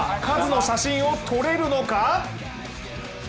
カズの写真を撮れるのか？